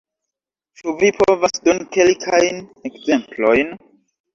Ĉu vi povas doni kelkajn ekzemplojn?